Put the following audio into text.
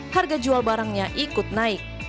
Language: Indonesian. harga jual barangnya ikut naik